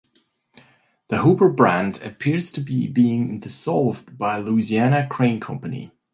The Huber brand appears to be being dissolved by Louisiana Crane Company.